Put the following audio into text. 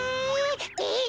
えっ？